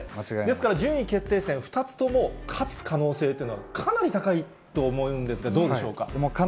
ですから順位決定戦、２つとも勝つ可能性というのは、かなり高いと思うんですが、どうでしょうか。